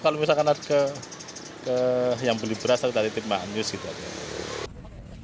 kalau misalkan ada yang beli beras kita titip maknyus gitu aja